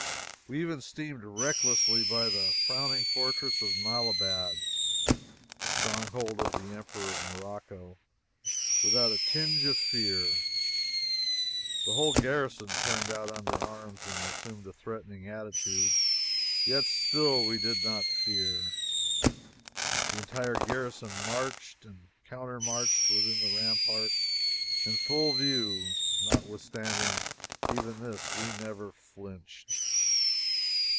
We even steamed recklessly by the frowning fortress of Malabat (a stronghold of the Emperor of Morocco) without a twinge of fear. The whole garrison turned out under arms and assumed a threatening attitude yet still we did not fear. The entire garrison marched and counter marched within the rampart, in full view yet notwithstanding even this, we never flinched.